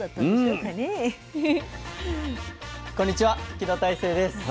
木戸大聖です。